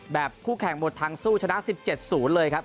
คู่แข่งหมดทางสู้ชนะ๑๗๐เลยครับ